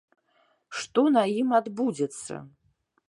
Што на ім адбудзецца?